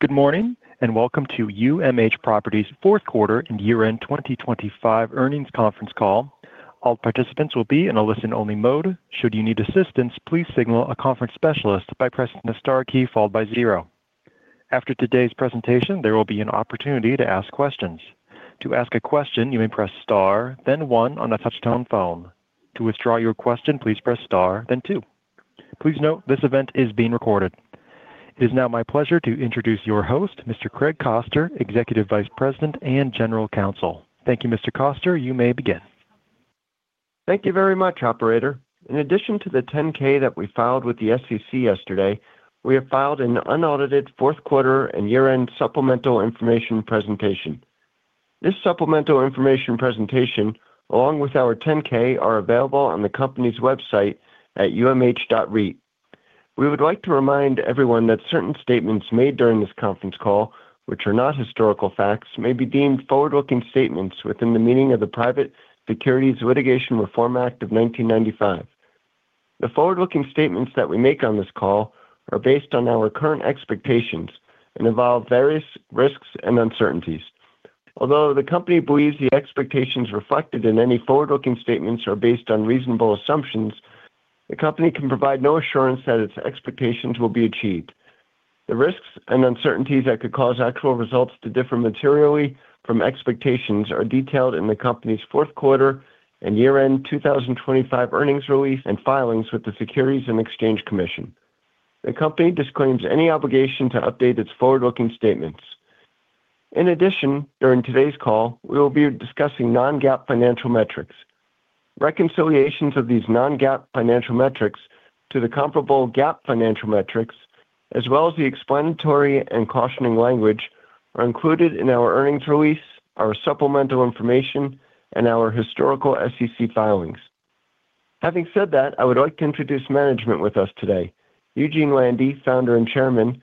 Good morning. Welcome to UMH Properties fourth quarter and year-end 2025 earnings conference call. All participants will be in a listen-only mode. Should you need assistance, please signal a conference specialist by pressing the star key followed by 0. After today's presentation, there will be an opportunity to ask questions. To ask a question, you may press star, then 1 on a touch-tone phone. To withdraw your question, please press star, then 2. Please note, this event is being recorded. It is now my pleasure to introduce your host, Mr. Craig Koster, Executive Vice President and General Counsel. Thank you, Mr. Koster. You may begin. Thank you very much, operator. In addition to the 10-K that we filed with the SEC yesterday, we have filed an unaudited fourth quarter and year-end supplemental information presentation. This supplemental information presentation, along with our 10-K, are available on the company's website at umh.reit. We would like to remind everyone that certain statements made during this conference call, which are not historical facts, may be deemed forward-looking statements within the meaning of the Private Securities Litigation Reform Act of 1995. The forward-looking statements that we make on this call are based on our current expectations and involve various risks and uncertainties. Although the company believes the expectations reflected in any forward-looking statements are based on reasonable assumptions, the company can provide no assurance that its expectations will be achieved. The risks and uncertainties that could cause actual results to differ materially from expectations are detailed in the company's fourth quarter and year-end 2025 earnings release and filings with the Securities and Exchange Commission. The company disclaims any obligation to update its forward-looking statements. In addition, during today's call, we will be discussing non-GAAP financial metrics. Reconciliations of these non-GAAP financial metrics to the comparable GAAP financial metrics, as well as the explanatory and cautioning language, are included in our earnings release, our supplemental information, and our historical SEC filings. Having said that, I would like to introduce management with us today. Eugene Landy, Founder and Chairman;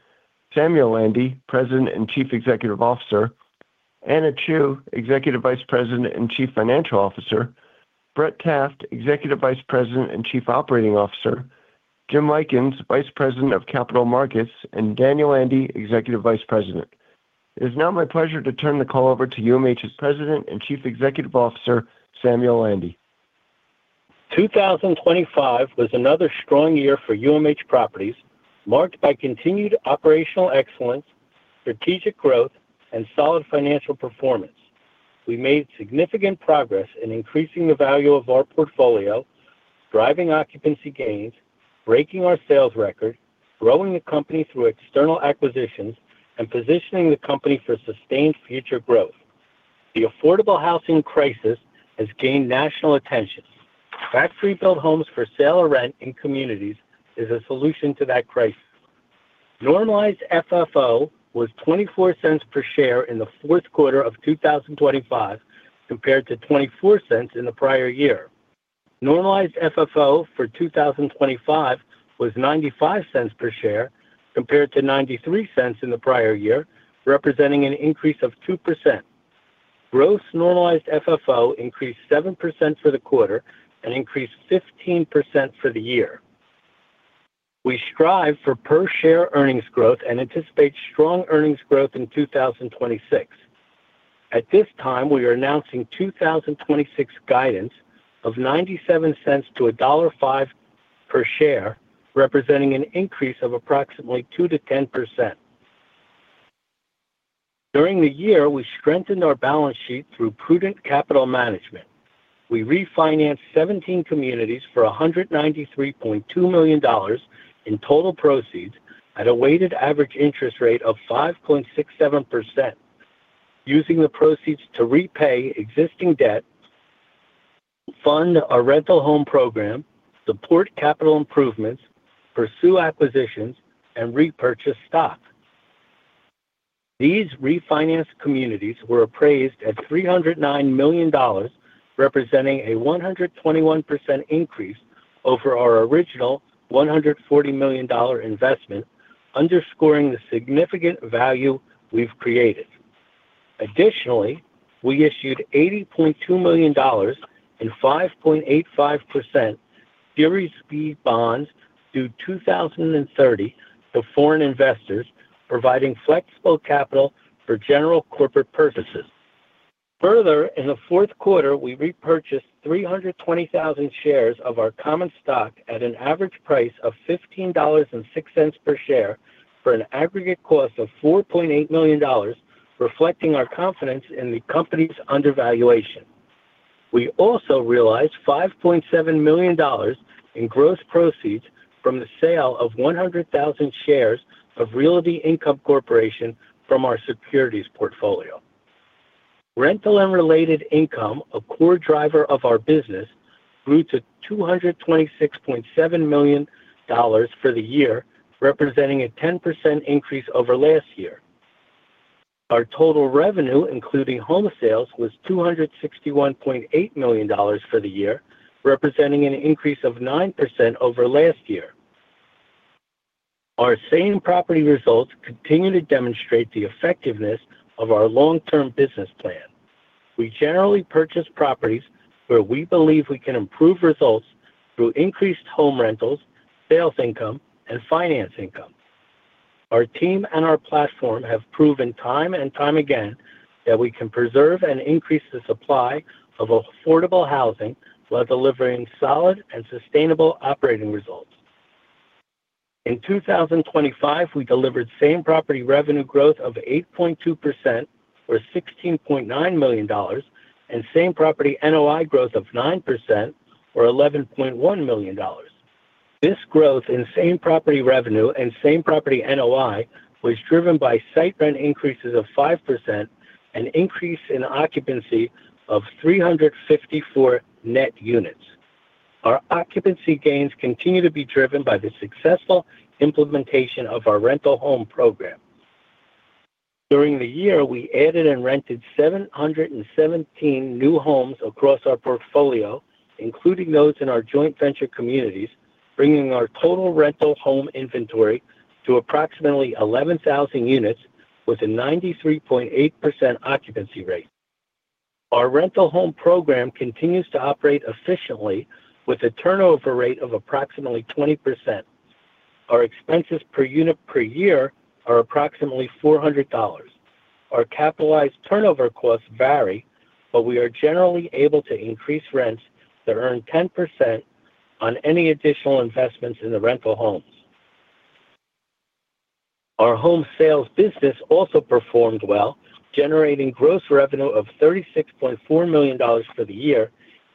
Samuel Landy, President and Chief Executive Officer; Anna Chew, Executive Vice President and Chief Financial Officer; Brett Taft, Executive Vice President and Chief Operating Officer; Jim Lykins, Vice President of Capital Markets; and Daniel Landy, Executive Vice President. It is now my pleasure to turn the call over to UMH's President and Chief Executive Officer, Samuel Landy. 2025 was another strong year for UMH Properties, marked by continued operational excellence, strategic growth, and solid financial performance. We made significant progress in increasing the value of our portfolio, driving occupancy gains, breaking our sales record, growing the company through external acquisitions, and positioning the company for sustained future growth. The affordable housing crisis has gained national attention. Factory-built homes for sale or rent in communities is a solution to that crisis. Normalized FFO was $0.24 per share in the fourth quarter of 2025, compared to $0.24 in the prior year. Normalized FFO for 2025 was $0.95 per share, compared to $0.93 in the prior year, representing an increase of 2%. Gross Normalized FFO increased 7% for the quarter and increased 15% for the year. We strive for per-share earnings growth and anticipate strong earnings growth in 2026. At this time, we are announcing 2026 guidance of $0.97 to $1.05 per share, representing an increase of approximately 2%-10%. During the year, we strengthened our balance sheet through prudent capital management. We refinanced 17 communities for $193.2 million in total proceeds at a weighted average interest rate of 5.67%, using the proceeds to repay existing debt, fund our rental home program, support capital improvements, pursue acquisitions, and repurchase stock. These refinanced communities were appraised at $309 million, representing a 121% increase over our original $140 million investment, underscoring the significant value we've created. Additionally, we issued $80.2 million in 5.85% Series B Bonds due 2030 to foreign investors, providing flexible capital for general corporate purposes. Further, in the fourth quarter, we repurchased 320,000 shares of our common stock at an average price of $15.06 per share for an aggregate cost of $4.8 million, reflecting our confidence in the company's undervaluation. We also realized $5.7 million in gross proceeds from the sale of 100,000 shares of Realty Income Corporation from our securities portfolio. Rental and related income, a core driver of our business, grew to $226.7 million for the year, representing a 10% increase over last year. Our total revenue, including home sales, was $261.8 million for the year, representing an increase of 9% over last year. Our same-property results continue to demonstrate the effectiveness of our long-term business plan. We generally purchase properties where we believe we can improve results through increased home rentals, sales income, and finance income. Our team and our platform have proven time and time again that we can preserve and increase the supply of affordable housing while delivering solid and sustainable operating results. In 2025, we delivered same-property revenue growth of 8.2% or $16.9 million, and same-property NOI growth of 9% or $11.1 million. This growth in same-property revenue and same property NOI was driven by site rent increases of 5% and increase in occupancy of 354 net units. Our occupancy gains continue to be driven by the successful implementation of our rental home program. During the year, we added and rented 717 new homes across our portfolio, including those in our joint venture communities, bringing our total rental home inventory to approximately 11,000 units with a 93.8% occupancy rate. Our rental home program continues to operate efficiently with a turnover rate of approximately 20%. Our expenses per unit per year are approximately $400. Our capitalized turnover costs vary, but we are generally able to increase rents that earn 10% on any additional investments in the rental homes. Our home sales business also performed well, generating gross revenue of $36.4 million for the year,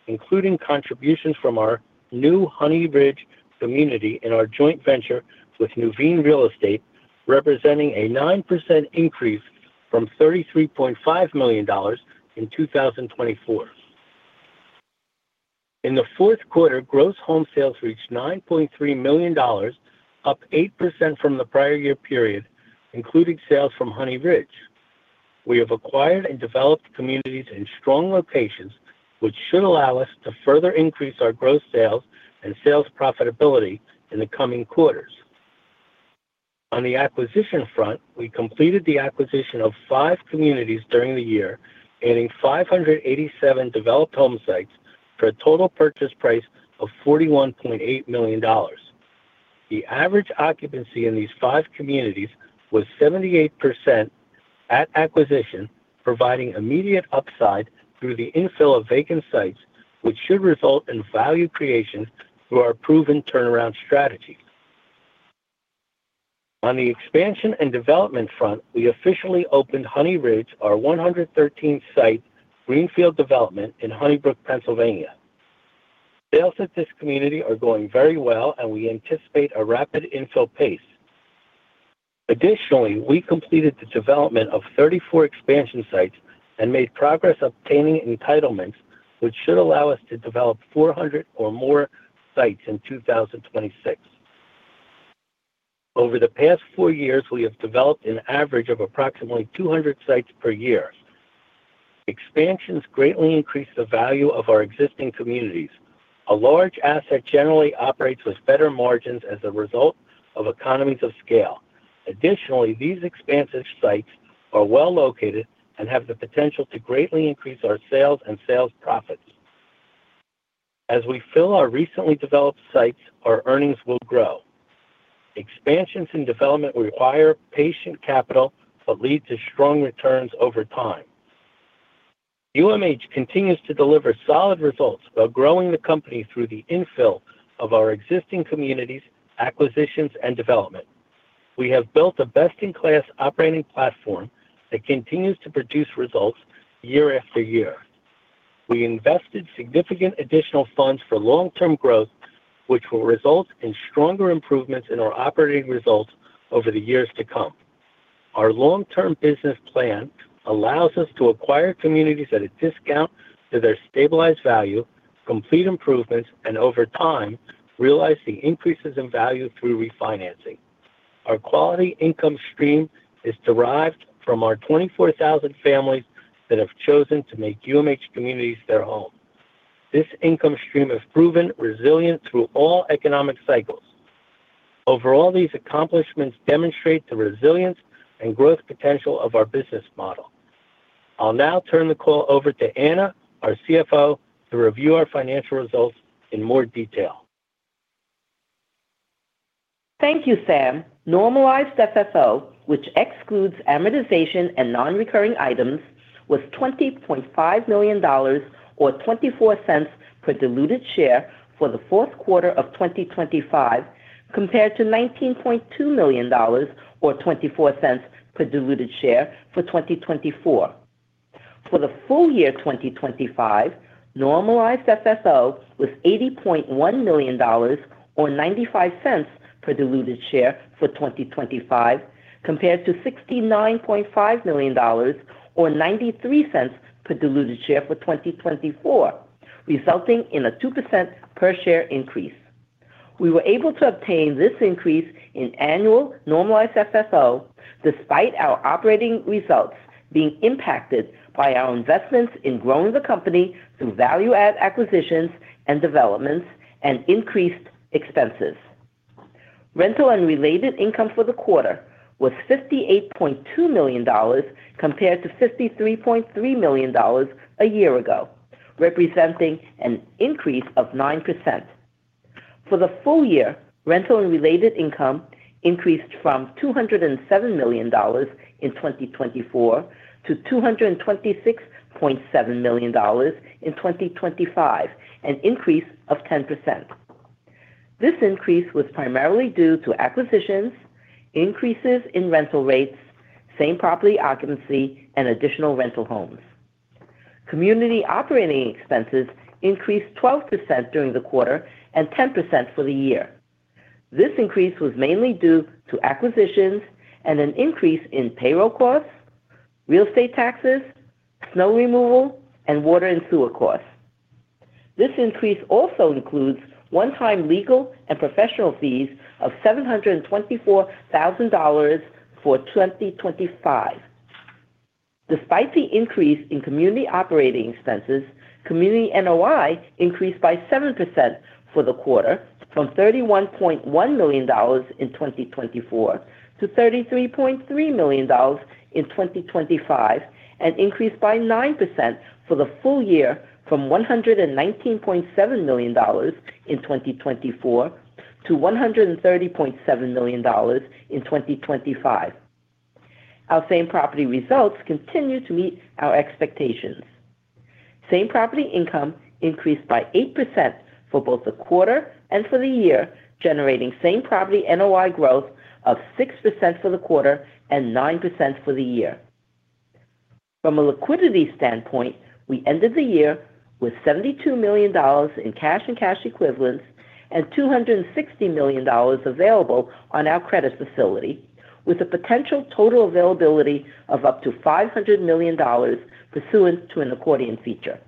including contributions from our new Honey Ridge community in our joint venture with Nuveen Real Estate, representing a 9% increase from $33.5 million in 2024. In the fourth quarter, gross home sales reached $9.3 million, up 8% from the prior year period, including sales from Honey Ridge. We have acquired and developed communities in strong locations, which should allow us to further increase our gross sales and sales profitability in the coming quarters. On the acquisition front, we completed the acquisition of five communities during the year, adding 587 developed home sites for a total purchase price of $41.8 million. The average occupancy in these 5 communities was 78% at acquisition, providing immediate upside through the infill of vacant sites, which should result in value creation through our proven turnaround strategy. On the expansion and development front, we officially opened Honey Ridge, our 113-site greenfield development in Honeybrook, Pennsylvania. Sales at this community are going very well, and we anticipate a rapid infill pace. Additionally, we completed the development of 34 expansion sites and made progress obtaining entitlements, which should allow us to develop 400 or more sites in 2026. Over the past 4 years, we have developed an average of approximately 200 sites per year. Expansions greatly increase the value of our existing communities. A large asset generally operates with better margins as a result of economies of scale. Additionally, these expansive sites are well located and have the potential to greatly increase our sales and sales profits. As we fill our recently developed sites, our earnings will grow. Expansions in development require patient capital but lead to strong returns over time. UMH continues to deliver solid results while growing the company through the infill of our existing communities, acquisitions, and development. We have built a best-in-class operating platform that continues to produce results year after year. We invested significant additional funds for long-term growth, which will result in stronger improvements in our operating results over the years to come. Our long-term business plan allows us to acquire communities at a discount to their stabilized value, complete improvements, and over time, realize the increases in value through refinancing. Our quality income stream is derived from our 24,000 families that have chosen to make UMH communities their home. This income stream has proven resilient through all economic cycles. Overall, these accomplishments demonstrate the resilience and growth potential of our business model. I'll now turn the call over to Anna, our CFO, to review our financial results in more detail. Thank you, Sam. Normalized FFO, which excludes amortization and non-recurring items, was $20.5 million or $0.24 per diluted share for the fourth quarter of 2025, compared to $19.2 million or $0.24 per diluted share for 2024. For the full year 2025, Normalized FFO was $80.1 million or $0.95 per diluted share for 2025, compared to $69.5 million or $0.93 per diluted share for 2024, resulting in a 2% per share increase. We were able to obtain this increase in annual Normalized FFO despite our operating results being impacted by our investments in growing the company through value-add acquisitions and developments and increased expenses. Rental and related income for the quarter was $58.2 million compared to $53.3 million a year ago, representing an increase of 9%. For the full year, rental and related income increased from $207 million in 2024 to $226.7 million in 2025, an increase of 10%. This increase was primarily due to acquisitions, increases in rental rates, same-property occupancy, and additional rental homes. Community operating expenses increased 12% during the quarter and 10% for the year. This increase was mainly due to acquisitions and an increase in payroll costs, real estate taxes, snow removal, and water and sewer costs. This increase also includes one-time legal and professional fees of $724,000 for 2025. Despite the increase in community operating expenses, community NOI increased by 7% for the quarter, from $31.1 million in 2024 to $33.3 million in 2025, and increased by 9% for the full year from $119.7 million in 2024 to $130.7 million in 2025. Our same property results continue to meet our expectations. Same property income increased by 8% for both the quarter and for the year, generating same-property NOI growth of 6% for the quarter and 9% for the year. From a liquidity standpoint, we ended the year with $72 million in cash and cash equivalents and $260 million available on our credit facility, with a potential total availability of up to $500 million pursuant to an accordion feature.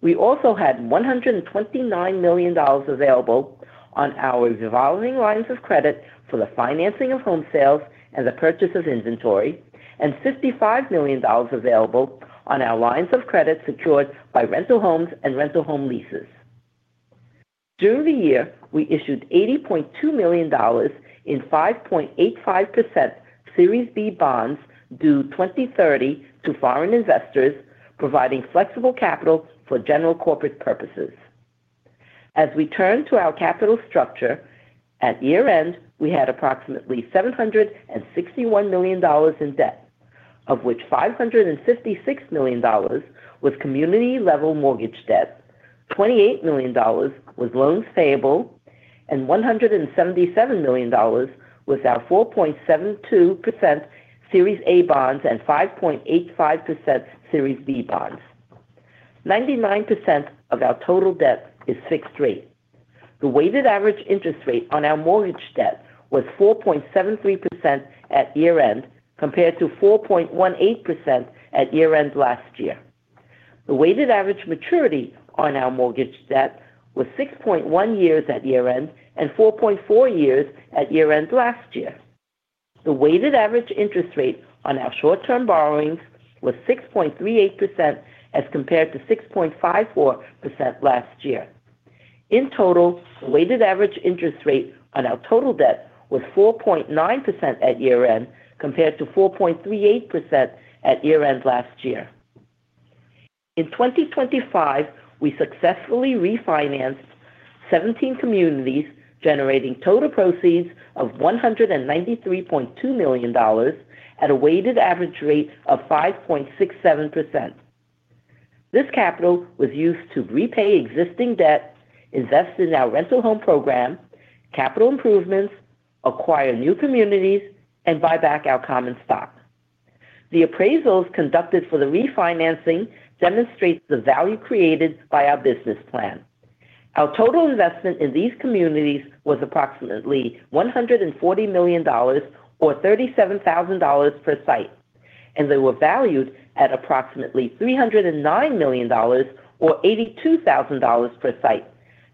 We also had $129 million available on our revolving lines of credit for the financing of home sales and the purchase of inventory, and $55 million available on our lines of credit secured by rental homes and rental home leases. During the year, we issued $80.2 million in 5.85% Series B Bonds due 2030 to foreign investors, providing flexible capital for general corporate purposes. As we turn to our capital structure, at year-end, we had approximately $761 million in debt, of which $556 million was community-level mortgage debt, $28 million was loans payable, and $177 million was our 4.72% Series A Bonds and 5.85% Series B Bonds. 99% of our total debt is fixed rate. The weighted average interest rate on our mortgage debt was 4.73% at year-end, compared to 4.18% at year-end last year. The weighted average maturity on our mortgage debt was 6.1 years at year-end and 4.4 years at year-end last year. The weighted average interest rate on our short-term borrowings was 6.38%, as compared to 6.54% last year. In total, the weighted average interest rate on our total debt was 4.9% at year-end, compared to 4.38% at year-end last year. In 2025, we successfully refinanced 17 communities, generating total proceeds of $193.2 million at a weighted average rate of 5.67%. This capital was used to repay existing debt, invest in our rental home program, capital improvements, acquire new communities, and buy back our common stock. The appraisals conducted for the refinancing demonstrates the value created by our business plan. Our total investment in these communities was approximately $140 million or $37,000 per site, and they were valued at approximately $309 million or $82,000 per site,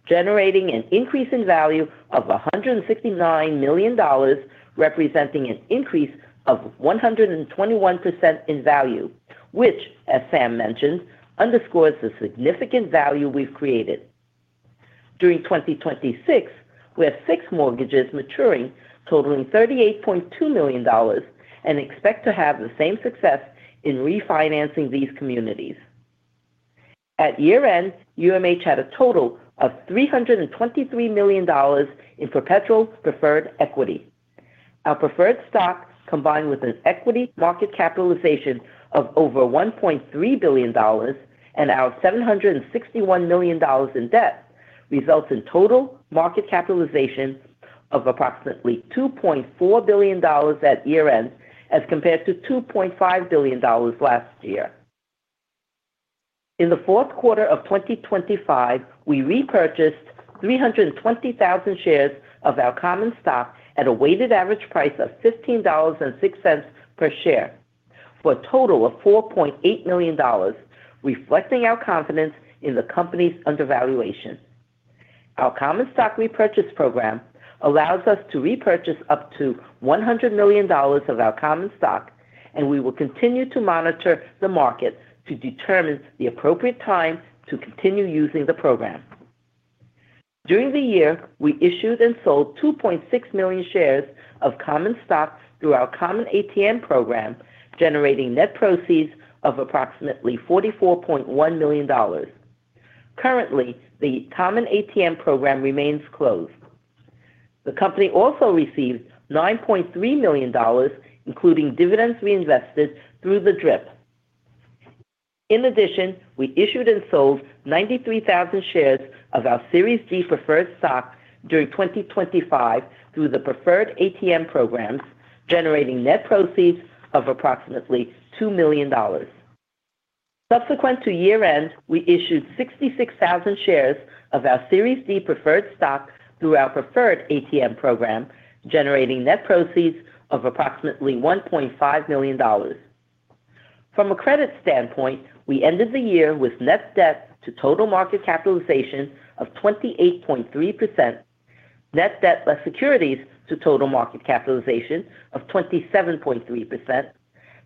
generating an increase in value of $169 million, representing an increase of 121% in value, which, as Sam mentioned, underscores the significant value we've created. During 2026, we have six mortgages maturing, totaling $38.2 million, and expect to have the same success in refinancing these communities. At year-end, UMH had a total of $323 million in perpetual preferred equity. Our preferred stock, combined with an equity market capitalization of over $1.3 billion and our $761 million in debt, results in total market capitalization of approximately $2.4 billion at year-end, as compared to $2.5 billion last year. In the fourth quarter of 2025, we repurchased 320,000 shares of our common stock at a weighted average price of $15.06 per share, for a total of $4.8 million, reflecting our confidence in the company's undervaluation. Our common stock repurchase program allows us to repurchase up to $100 million of our common stock. We will continue to monitor the market to determine the appropriate time to continue using the program. During the year, we issued and sold 2.6 million shares of common stock through our common ATM program, generating net proceeds of approximately $44.1 million. Currently, the common ATM program remains closed. The company also received $9.3 million, including dividends reinvested through the DRIP. In addition, we issued and sold 93,000 shares of our Series D Preferred Stock during 2025 through the preferred ATM programs, generating net proceeds of approximately $2 million. Subsequent to year-end, we issued 66,000 shares of our Series D Preferred Stock through our preferred ATM program, generating net proceeds of approximately $1.5 million. From a credit standpoint, we ended the year with net debt to total market capitalization of 28.3%, net debt plus securities to total market capitalization of 27.3%,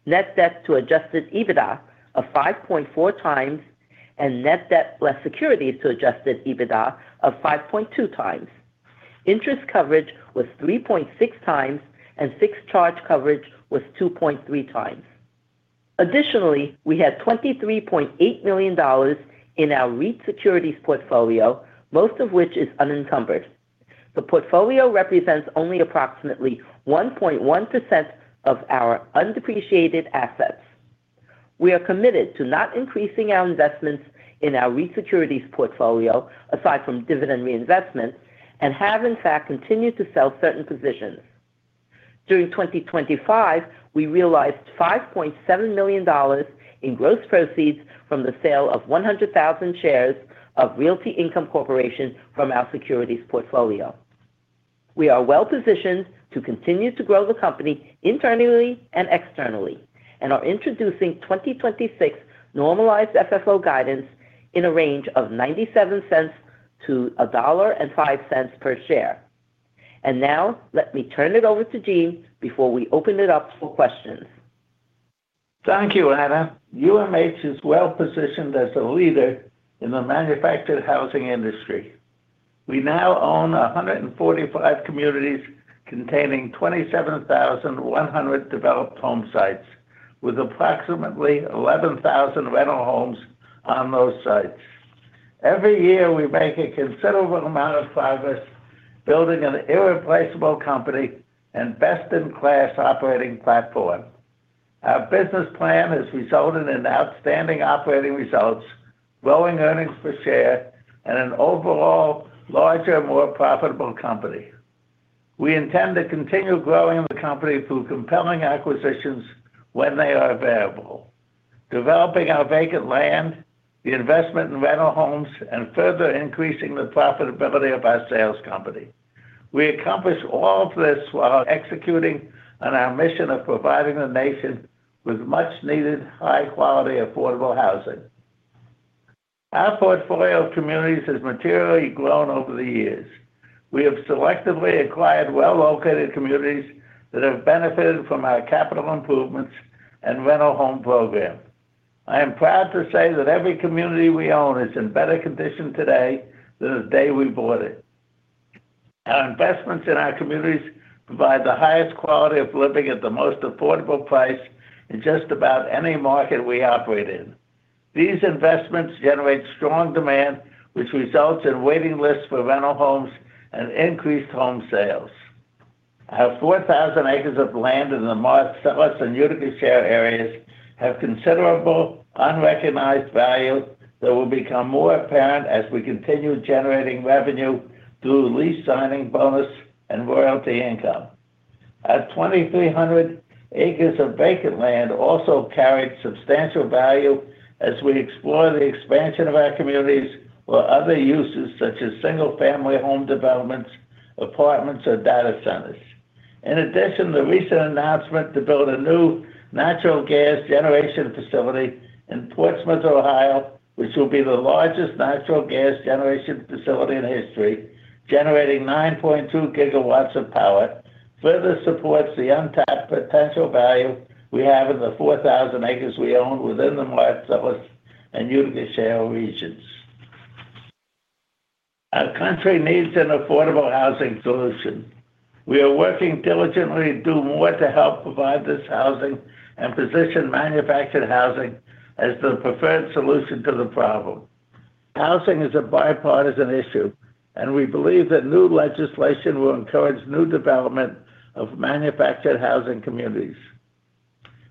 net debt to adjusted EBITDA of 5.4x, and net debt less securities to adjusted EBITDA of 5.2x. Interest coverage was 3.6x, and fixed charge coverage was 2.3x. Additionally, we had $23.8 million in our REIT securities portfolio, most of which is unencumbered. The portfolio represents only approximately 1.1% of our undepreciated assets. We are committed to not increasing our investments in our REIT securities portfolio, aside from dividend reinvestment, and have, in fact, continued to sell certain positions. During 2025, we realized $5.7 million in gross proceeds from the sale of 100,000 shares of Realty Income Corporation from our securities portfolio. We are well-positioned to continue to grow the company internally and externally, are introducing 2026 Normalized FFO guidance in a range of $0.97-$1.05 per share. Now, let me turn it over to Gene before we open it up for questions. Thank you, Anna. UMH is well-positioned as a leader in the manufactured housing industry. We now own 145 communities containing 27,100 developed home sites, with approximately 11,000 rental homes on those sites. Every year, we make a considerable amount of progress building an irreplaceable company and best-in-class operating platform. Our business plan has resulted in outstanding operating results, growing earnings per share, and an overall larger, more profitable company. We intend to continue growing the company through compelling acquisitions when they are available, developing our vacant land, the investment in rental homes, and further increasing the profitability of our sales company. We accomplish all of this while executing on our mission of providing the nation with much-needed, high-quality, affordable housing. Our portfolio of communities has materially grown over the years. We have selectively acquired well-located communities that have benefited from our capital improvements and rental home program. I am proud to say that every community we own is in better condition today than the day we bought it. Our investments in our communities provide the highest quality of living at the most affordable price in just about any market we operate in. These investments generate strong demand, which results in waiting lists for rental homes and increased home sales. Our 4,000 acres of land in the Marcellus, Somerset, and Utica Shale areas have considerable unrecognized value that will become more apparent as we continue generating revenue through lease signing bonus and royalty income. Our 2,300 acres of vacant land also carry substantial value as we explore the expansion of our communities or other uses, such as single-family home developments, apartments, or data centers. The recent announcement to build a new natural gas generation facility in Portsmouth, Ohio, which will be the largest natural gas generation facility in history, generating 9.2 gigawatts of power, further supports the untapped potential value we have in the 4,000 acres we own within the Marcellus, Somerset, and Utica Shale regions. Our country needs an affordable housing solution. We are working diligently to do more to help provide this housing and position manufactured housing as the preferred solution to the problem. Housing is a bipartisan issue, and we believe that new legislation will encourage new development of manufactured housing communities.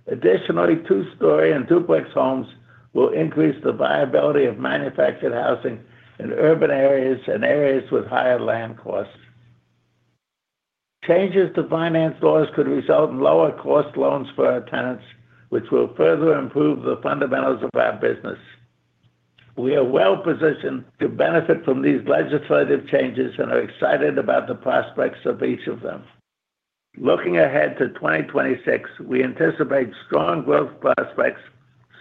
Additionally, two-story and duplex homes will increase the viability of manufactured housing in urban areas and areas with higher land costs. Changes to finance laws could result in lower cost loans for our tenants, which will further improve the fundamentals of our business. We are well positioned to benefit from these legislative changes and are excited about the prospects of each of them. Looking ahead to 2026, we anticipate strong growth prospects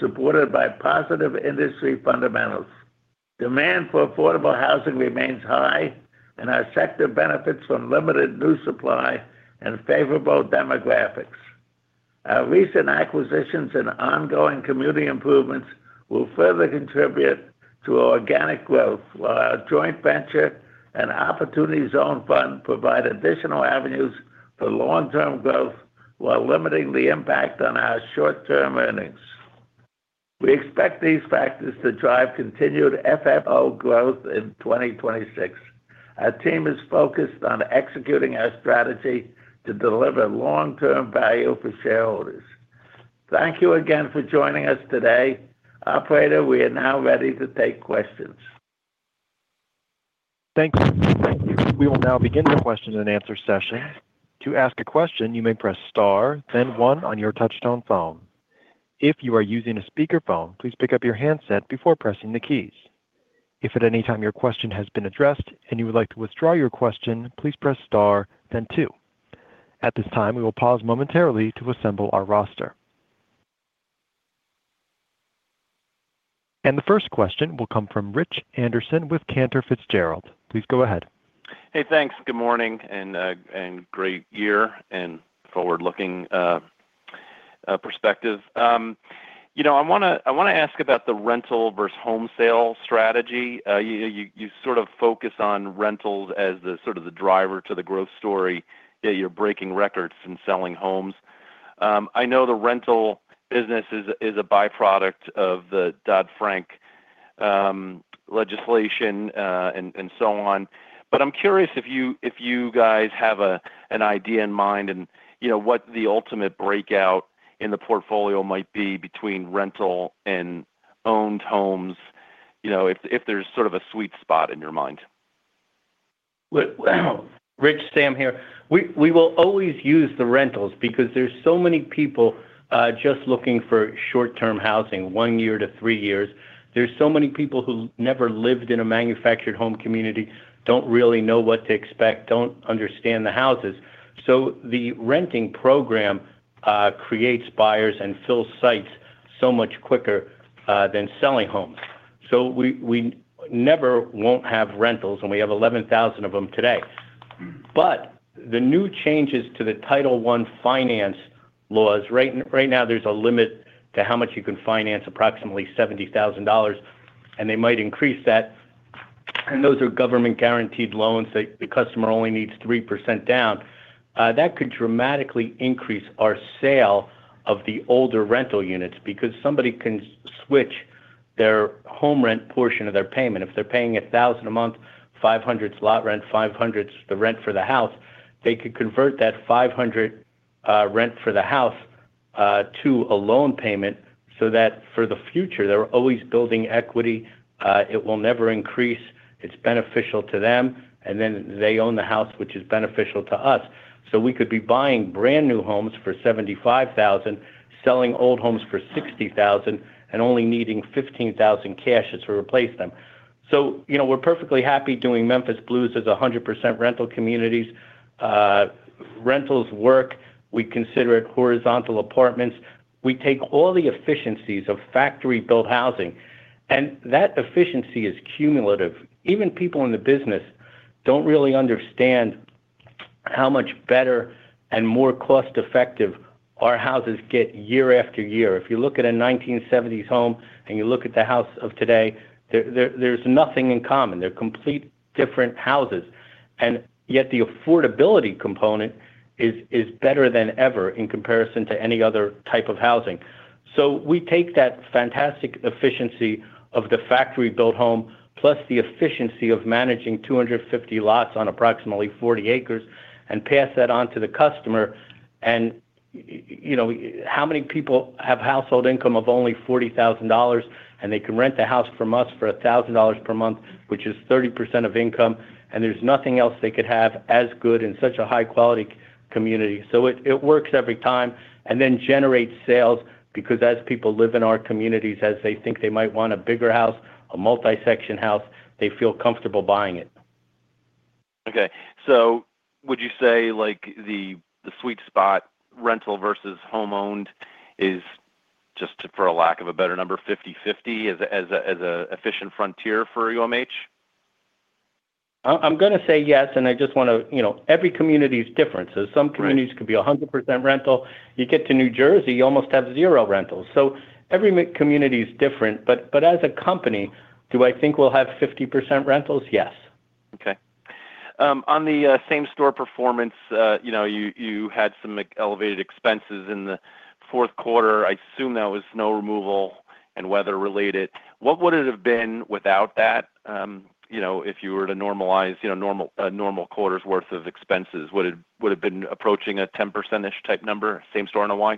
supported by positive industry fundamentals. Demand for affordable housing remains high, and our sector benefits from limited new supply and favorable demographics. Our recent acquisitions and ongoing community improvements will further contribute to organic growth, while our joint venture and Opportunity Zone Fund provide additional avenues for long-term growth while limiting the impact on our short-term earnings. We expect these factors to drive continued FFO growth in 2026. Our team is focused on executing our strategy to deliver long-term value for shareholders. Thank you again for joining us today. Operator, we are now ready to take questions. Thank you. We will now begin the question and answer session. To ask a question, you may press star, then 1 on your touchtone phone. If you are using a speakerphone, please pick up your handset before pressing the keys. If at any time your question has been addressed and you would like to withdraw your question, please press star, then 2. At this time, we will pause momentarily to assemble our roster. The first question will come from Rich Anderson with Cantor Fitzgerald. Please go ahead. Hey, thanks. Good morning, and great year and forward-looking perspective. You know, I wanna ask about the rental versus home sale strategy. You sort of focus on rentals as the sort of the driver to the growth story, yet you're breaking records from selling homes. I know the rental business is a by-product of the Dodd-Frank legislation, and so on. I'm curious if you guys have an idea in mind and, you know, what the ultimate breakout in the portfolio might be between rental and owned homes, you know, if there's sort of a sweet spot in your mind. Rich, Sam here. We will always use the rentals because there's so many people just looking for short-term housing, one year to three years. There's so many people who never lived in a manufactured home community, don't really know what to expect, don't understand the houses. The renting program creates buyers and fills sites so much quicker than selling homes. We never won't have rentals, and we have 11,000 of them today. The new changes to the Title I finance laws, right now, there's a limit to how much you can finance, approximately $70,000, and they might increase that. Those are government-guaranteed loans that the customer only needs 3% down. That could dramatically increase our sale of the older rental units because somebody can switch their home rent portion of their payment. If they're paying $1,000 a month, $500 slot rent, $500's the rent for the house, they could convert that $500 rent for the house to a loan payment, so that for the future, they're always building equity, it will never increase, it's beneficial to them, and then they own the house, which is beneficial to us. We could be buying brand-new homes for $75,000, selling old homes for $60,000, and only needing $15,000 cash to replace them. You know, we're perfectly happy doing Memphis Blues as a 100% rental communities. Rentals work, we consider it horizontal apartments. We take all the efficiencies of factory-built housing, and that efficiency is cumulative. Even people in the business don't really understand how much better and more cost-effective our houses get year after year. If you look at a 1970's home and you look at the house of today, there's nothing in common. They're complete different houses, and yet the affordability component is better than ever in comparison to any other type of housing. We take that fantastic efficiency of the factory-built home, plus the efficiency of managing 250 lots on approximately 40 acres and pass that on to the customer. You know, how many people have household income of only $40,000, and they can rent a house from us for $1,000 per month, which is 30% of income, and there's nothing else they could have as good in such a high-quality community. It works every time and then generates sales, because as people live in our communities, as they think they might want a bigger house, a multi-section house, they feel comfortable buying it. Would you say, like, the sweet spot, rental versus home-owned is just for a lack of a better number, 50/50, as a efficient frontier for UMH? I'm gonna say yes, and I just wanna. You know, every community is different. Some communities can be 100% rental. You get to New Jersey, you almost have 0 rentals. Every community is different. As a company, do I think we'll have 50% rentals? Yes. Okay. On the same-store performance, you know, you had some, like, elevated expenses in the fourth quarter. I assume that was snow removal and weather-related. What would it have been without that, you know, if you were to normalize, you know, a normal quarter's worth of expenses? Would it been approaching a 10%-ish type number, same store NOI?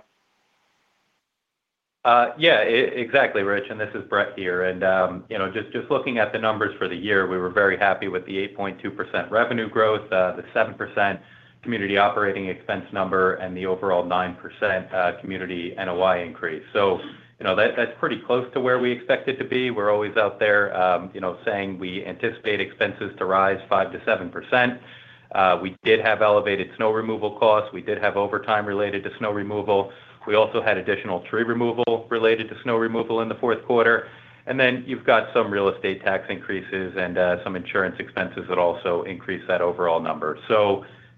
Yeah, exactly, Rich, and this is Brett here. you know, just looking at the numbers for the year, we were very happy with the 8.2% revenue growth, the 7% community operating expense number, and the overall 9% community NOI increase. you know, that's pretty close to where we expect it to be. We're always out there, you know, saying we anticipate expenses to rise 5%-7%. We did have elevated snow removal costs. We did have overtime related to snow removal. We also had additional tree removal related to snow removal in the fourth quarter. you've got some real estate tax increases and some insurance expenses that also increase that overall number.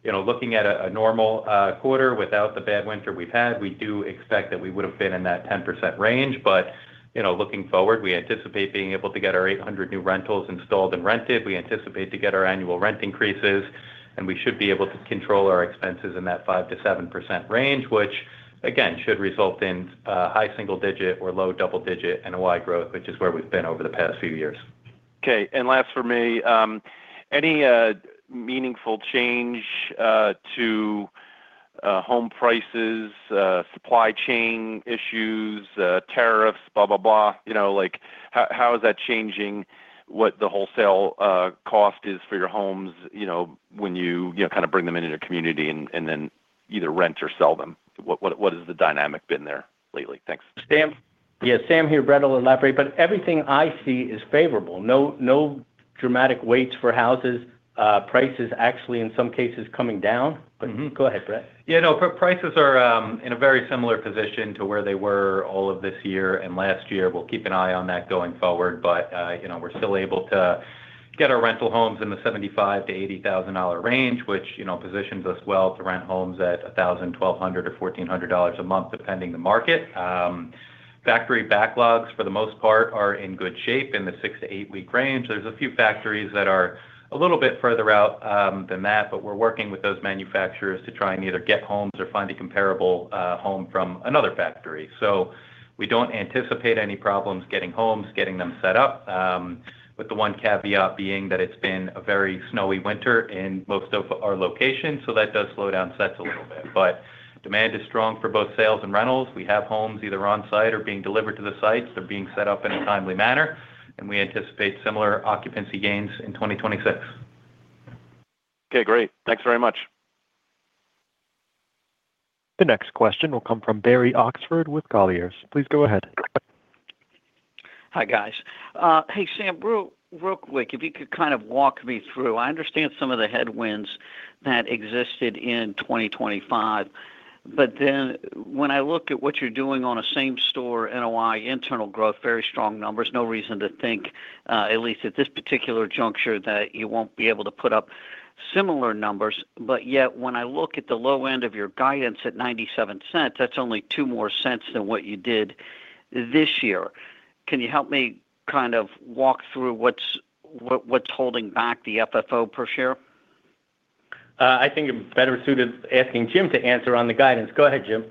You know, looking at a normal quarter without the bad winter we've had, we do expect that we would have been in that 10% range. You know, looking forward, we anticipate being able to get our 800 new rentals installed and rented. We anticipate to get our annual rent increases. We should be able to control our expenses in that 5%-7% range, which again, should result in high single digit or low double digit NOI growth, which is where we've been over the past few years. Okay, last for me, any meaningful change to home prices, supply chain issues, tariffs, blah, blah? You know, like, how is that changing what the wholesale cost is for your homes, you know, when you know, kind of bring them into your community and then either rent or sell them? What is the dynamic been there lately? Thanks. Sam? Yeah, Sam here, Brett and Larry. Everything I see is favorable. No dramatic waits for houses. Prices actually, in some cases, coming down. Go ahead, Brett. Yeah, no, prices are in a very similar position to where they were all of this year and last year. We'll keep an eye on that going forward. We're still able to get our rental homes in the $75,000-$80,000 range, which, you know, positions us well to rent homes at $1,000, $1,200 or $1,400 a month, depending the market. Factory backlogs, for the most part, are in good shape in the 6-8 week range. There's a few factories that are a little bit further out than that. We're working with those manufacturers to try and either get homes or find a comparable home from another factory. We don't anticipate any problems getting homes, getting them set up, with the one caveat being that it's been a very snowy winter in most of our locations, so that does slow down sets a little bit. But demand is strong for both sales and rentals. We have homes either on site or being delivered to the sites. They're being set up in a timely manner, and we anticipate similar occupancy gains in 2026. Okay, great. Thanks very much. The next question will come from Barry Oxford with Colliers. Please go ahead. Hi, guys. hey, Sam, real quick, if you could kind of walk me through. I understand some of the headwinds that existed in 2025, but then when I look at what you're doing on a same store NOI, internal growth, very strong numbers, no reason to think, at least at this particular juncture, that you won't be able to put up similar numbers. Yet, when I look at the low end of your guidance at $0.97, that's only $0.02 more than what you did this year. Can you help me kind of walk through what's holding back the FFO per share? I think I'm better suited asking Jim to answer on the guidance. Go ahead, Jim.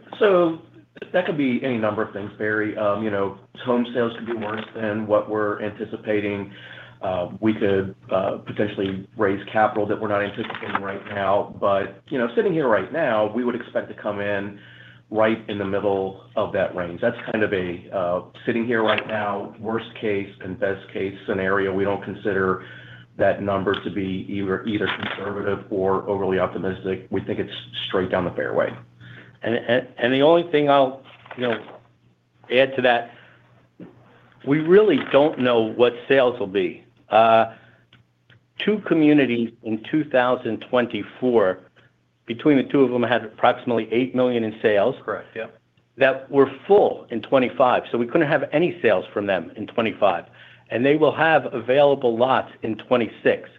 That could be any number of things, Barry. you know, home sales could be worse than what we're anticipating. we could potentially raise capital that we're not anticipating right now. you know, sitting here right now, we would expect to come in right in the middle of that range. That's kind of a sitting here right now, worst case and best case scenario. We don't consider that number to be either conservative or overly optimistic. We think it's straight down the fairway. the only thing I'll, you know, add to that, we really don't know what sales will be. two communities in 2024, between the two of them, had approximately $8 million in sales. That were full in 25, so we couldn't have any sales from them in 25. They will have available lots in 26.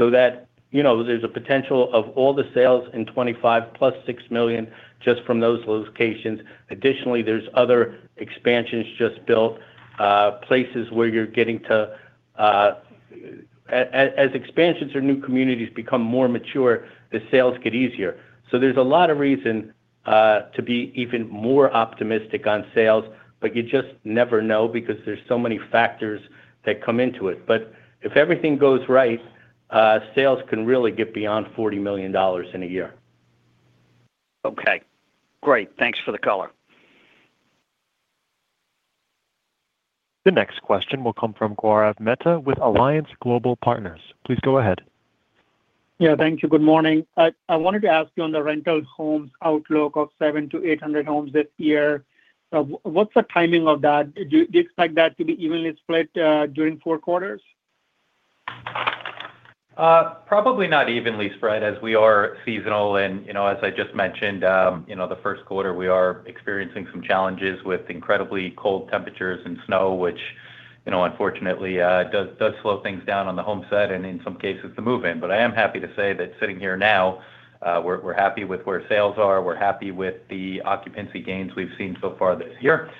That, you know, there's a potential of all the sales in 25, plus $6 million just from those locations. Additionally, there's other expansions just built, places where you're getting to, as expansions or new communities become more mature, the sales get easier. There's a lot of reason to be even more optimistic on sales, but you just never know because there's so many factors that come into it. If everything goes right, sales can really get beyond $40 million in a year. Okay, great. Thanks for the caller. The next question will come from Gaurav Mehta with Alliance Global Partners. Please go ahead. Yeah, thank you. Good morning. I wanted to ask you on the rental homes outlook of 700-800 homes this year, what's the timing of that? Do you expect that to be evenly split during 4 quarters? Probably not evenly spread, as we are seasonal, and you know, as I just mentioned, you know, the first quarter, we are experiencing some challenges with incredibly cold temperatures and snow, which, you know, unfortunately, does slow things down on the home side and in some cases, the move-in. I am happy to say that sitting here now, we're happy with where sales are, we're happy with the occupancy gains we've seen so far this year.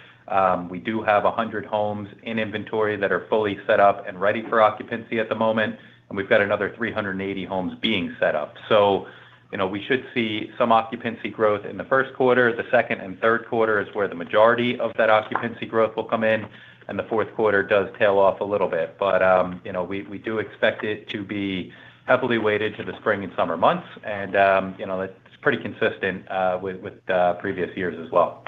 We do have 100 homes in inventory that are fully set up and ready for occupancy at the moment, and we've got another 380 homes being set up. You know, we should see some occupancy growth in the first quarter. The second and third quarter is where the majority of that occupancy growth will come in, and the fourth quarter does tail off a little bit. You know, we do expect it to be heavily weighted to the spring and summer months, and, you know, it's pretty consistent with previous years as well.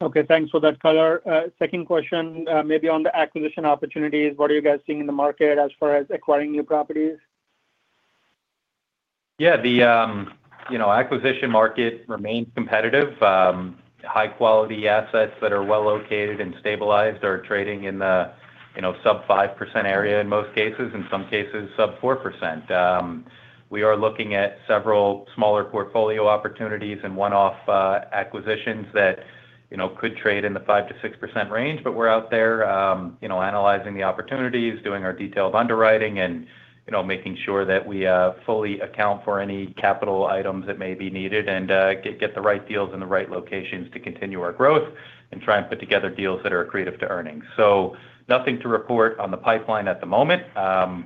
Okay, thanks for that caller. Second question, maybe on the acquisition opportunities. What are you guys seeing in the market as far as acquiring new properties? Yeah, the, you know, acquisition market remains competitive. High quality assets that are well-located and stabilized are trading in the, you know, sub 5% area in most cases, in some cases, sub 4%. We are looking at several smaller portfolio opportunities and one-off acquisitions that, you know, could trade in the 5%-6% range, but we're out there, you know, analyzing the opportunities, doing our detailed underwriting, and, you know, making sure that we fully account for any capital items that may be needed and get the right deals in the right locations to continue our growth and try and put together deals that are accretive to earnings. Nothing to report on the pipeline at the moment.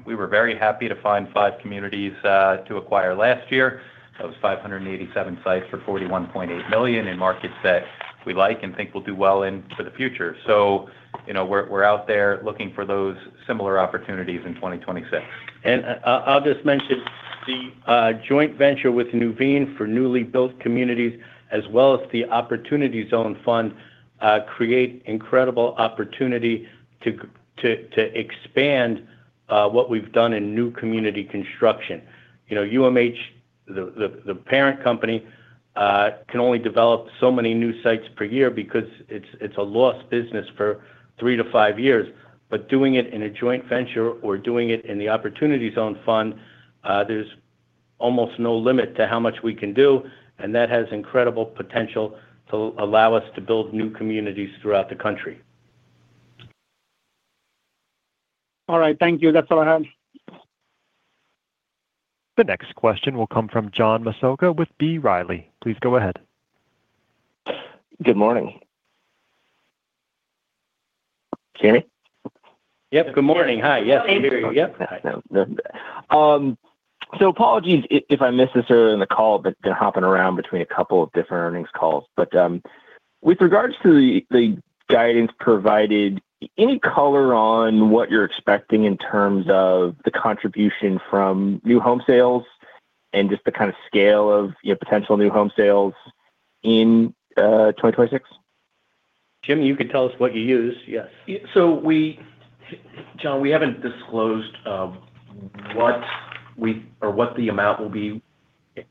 We were very happy to find 5 communities to acquire last year. That was 587 sites for $41.8 million in markets that. We like and think we'll do well in for the future. you know, we're out there looking for those similar opportunities in 2026. I'll just mention the joint venture with Nuveen for newly built communities as well as the Opportunity Zone Fund, create incredible opportunity to expand what we've done in new community construction. You know, UMH, the parent company, can only develop so many new sites per year because it's a lost business for three to five years. Doing it in a joint venture or doing it in the Opportunity Zone Fund, there's almost no limit to how much we can do, and that has incredible potential to allow us to build new communities throughout the country. All right. Thank you. That's all I have. The next question will come from John Massocca with B. Riley. Please go ahead. Good morning. Can you hear me? Yep, good morning. Hi. Yes, I can hear you. Yep. Hi. Apologies if I missed this earlier in the call, but been hopping around between a couple of different earnings calls. With regards to the guidance provided, any caller on what you're expecting in terms of the contribution from new home sales and just the kind of scale of, you know, potential new home sales in, 2026? Jimmy, you can tell us what you use, yes. Yeah, John, we haven't disclosed what we or what the amount will be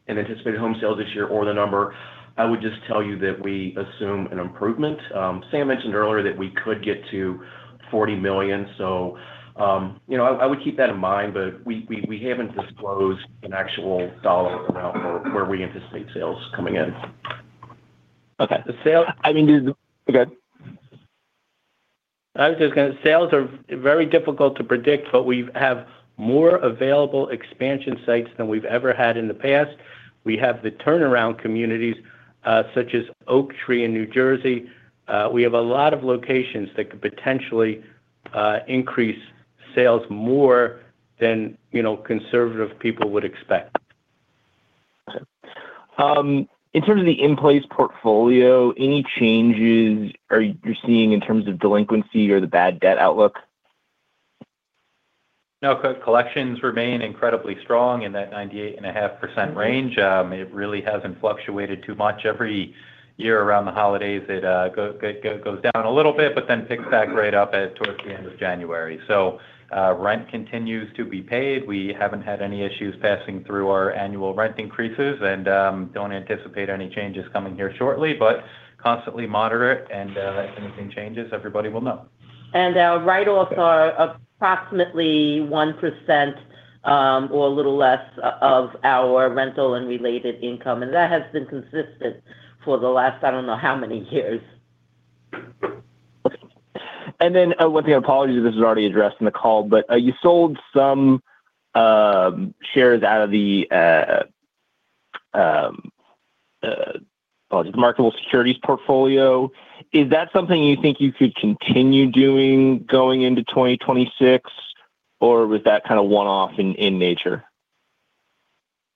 in anticipated home sales this year or the number. I would just tell you that we assume an improvement. Sam mentioned earlier that we could get to $40 million, you know, I would keep that in mind, we haven't disclosed an actual dollar amount for where we anticipate sales coming in. Okay. The sale- I mean, go ahead. Sales are very difficult to predict, but we've have more available expansion sites than we've ever had in the past. We have the turnaround communities, such as Oak Tree in New Jersey. We have a lot of locations that could potentially increase sales more than, you know, conservative people would expect. Okay. In terms of the in-place portfolio, any changes are you seeing in terms of delinquency or the bad debt outlook? Collections remain incredibly strong in that 98.5% range. It really hasn't fluctuated too much. Every year around the holidays, it goes down a little bit, but then picks back right up at towards the end of January. Rent continues to be paid. We haven't had any issues passing through our annual rent increases and don't anticipate any changes coming here shortly, but constantly moderate and if anything changes, everybody will know. Our write-offs are approximately 1%, or a little less of our rental and related income. That has been consistent for the last, I don't know how many years. One thing, apologies if this was already addressed in the call, you sold some shares out of the just marketable securities portfolio. Is that something you think you could continue doing going into 2026, or was that kind of one-off in nature?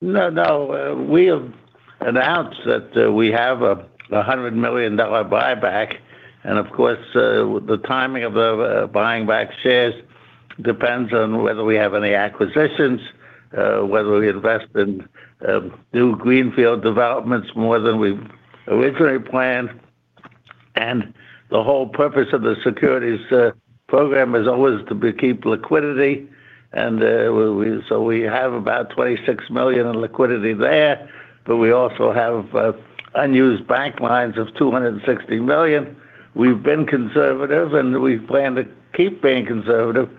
No, no, we have announced that we have a $100 million buyback, and of course, the timing of the buying back shares depends on whether we have any acquisitions, whether we invest in new greenfield developments more than we originally planned. The whole purpose of the securities program is always to keep liquidity, and we so we have about $26 million in liquidity there, but we also have unused bank lines of $260 million. We've been conservative, and we plan to keep being conservative,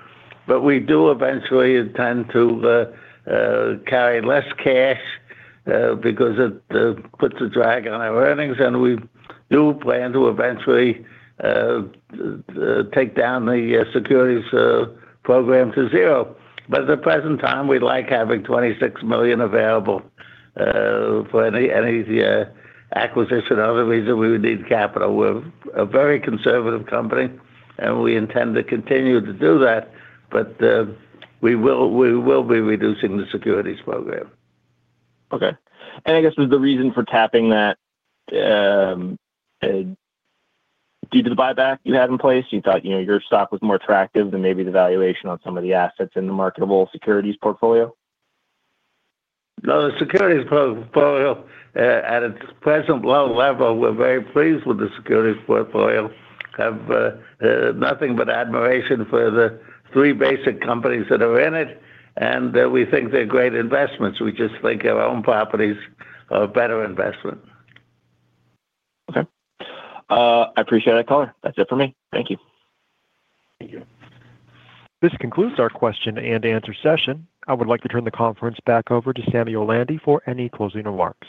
but we do eventually intend to carry less cash, because it puts a drag on our earnings. We do plan to eventually take down the securities program to 0. At the present time, we like having $26 million available, for any acquisition or other reason we would need capital. We're a very conservative company, and we intend to continue to do that, but, we will be reducing the securities program. Okay. I guess was the reason for tapping that due to the buyback you had in place, you thought, you know, your stock was more attractive than maybe the valuation on some of the assets in the marketable securities portfolio? No, the securities portfolio, at its present low level, we're very pleased with the securities portfolio. Have, nothing but admiration for the 3 basic companies that are in it, and, we think they're great investments. We just think our own properties are a better investment. Okay. I appreciate that caller. That's it for me. Thank you. This concludes our question and answer session. I would like to turn the conference back over to Samuel Landy for any closing remarks.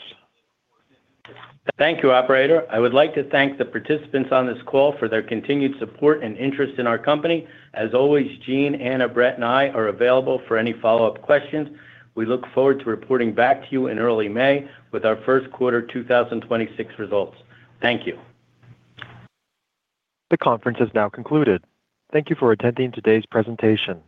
Thank you, operator. I would like to thank the participants on this call for their continued support and interest in our company. As always, Gene, Anna, Brett, and I are available for any follow-up questions. We look forward to reporting back to you in early May with our first quarter 2026 results. Thank you. The conference is now concluded. Thank you for attending today's presentation.